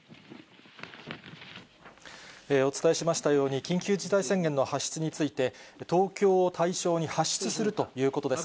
お伝えしましたように、緊急事態宣言の発出について、東京を対象に発出するということです。